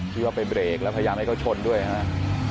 คือว่าไปเบรกแล้วพยายามให้เขาชนด้วยครับ